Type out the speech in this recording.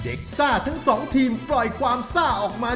ซ่าทั้งสองทีมปล่อยความซ่าออกมา